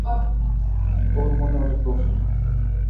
ওর মনে অনেক প্রশ্ন।